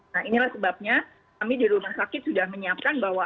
nah inilah sebabnya kami di rumah sakit sudah menyiapkan bahwa